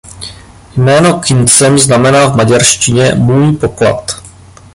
Jméno "Kincsem" znamená v maďarštině „můj poklad“.